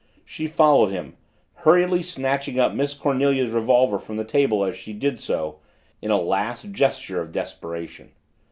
She followed him, hurriedly snatching up Miss Cornelia's revolver from the table as she did so, in a last gesture of desperation.